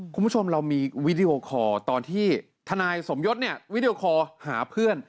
คุณผู้ชมเรามีวีดีโอคอร์ตอนที่ทนายสมยศเนี่ยวิดีโอคอร์หาเพื่อน